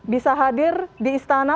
bisa hadir di istana